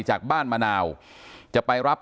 จากบ้านมะนาวจะไปรับ